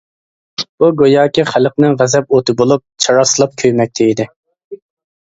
بۇ گوياكى خەلقنىڭ غەزەپ ئوتى بولۇپ، چاراسلاپ كۆيمەكتە ئىدى.